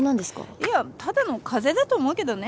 いやただの風邪だと思うけどね。